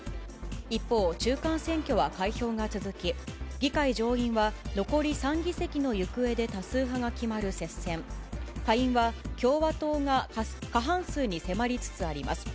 一方、中間選挙は開票が続き、議会上院は残り３議席の行方で多数派が決まる接戦、下院は共和党が過半数に迫りつつあります。